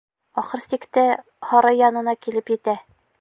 Ахыр сиктә, һарай янына килеп етә.